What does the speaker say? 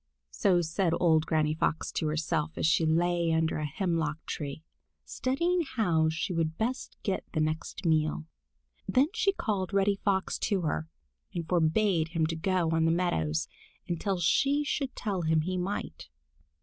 So said old Granny Fox to herself, as she lay under a hemlock tree, studying how she could best get the next meal. Then she called Reddy Fox to her and forbade him to go down on the meadows until she should tell him he might.